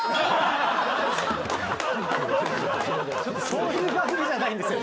そういう番組じゃないんですよ。